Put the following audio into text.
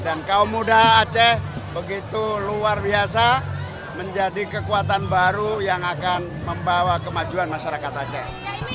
dan kaum muda aceh begitu luar biasa menjadi kekuatan baru yang akan membawa kemajuan masyarakat aceh